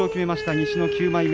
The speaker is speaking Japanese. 西の９枚目。